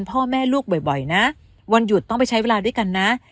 พ่อแม่ลูกบ่อยนะวันหยุดต้องไปใช้เวลาด้วยกันนะ